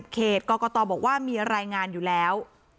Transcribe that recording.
เขตกรกตบอกว่ามีรายงานอยู่แล้ว